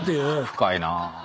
深いな。